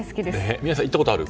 宮司さん、行ったことある？